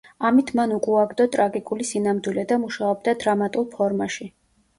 ამით მან უკუაგდო ტრაგიკული სინამდვილე და მუშაობდა დრამატულ ფორმაში.